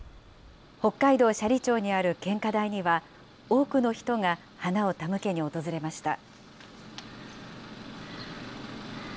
北海道斜里町にある献花台には、多くの人が花を手向けに訪れました。